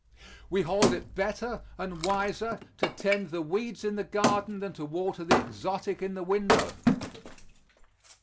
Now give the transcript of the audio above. We hold it better and wiser to tend the weeds in the garden than to water the exotic in the window.